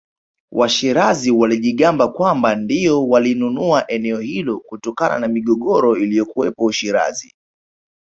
Washirazi walijigamba kwamba ndio walinunua eneo hilo kutokana na migogoro iliyokuwapo Ushirazi